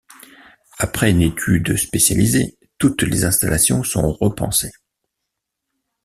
Après une étude spécialisée, toutes les installations sont repensées.